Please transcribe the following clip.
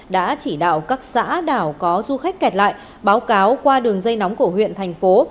đã chỉ đạo các xã đảo có du khách kẹt lại báo cáo qua đường dây nóng của huyện thành phố